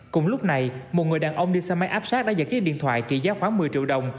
cùng lúc này một người đàn ông đi xe máy áp sát đã giật chiếc điện thoại trị giá khoảng một mươi triệu đồng